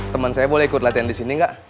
temen saya boleh ikut latihan disini enggak